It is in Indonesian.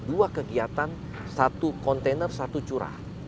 jadi kita harus memiliki dua kegiatan satu kontainer satu curah